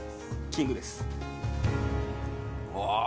・キングですあ−